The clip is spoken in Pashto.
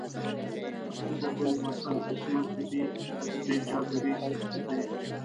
اصلي ضرب المثل "عصمت بي بي از بې چادريست" دی.